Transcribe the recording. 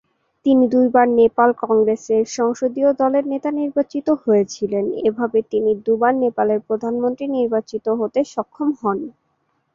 তিনি দুবার নেপাল কংগ্রেসের সংসদীয় দলের নেতা নির্বাচিত হয়েছিলেন, এভাবে তিনি দুবার নেপালের প্রধানমন্ত্রী নির্বাচিত হতে সক্ষম হন।